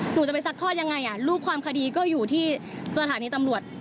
หนูจะไปซัดทอดยังไงรูปความคดีก็อยู่ที่สถานีตำรวจ